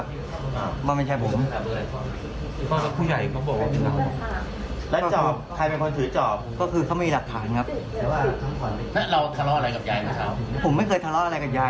เราก็เศษมากมายไม่ได้เศษครับตอนนั้น